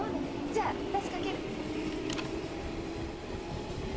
じゃあ私かける。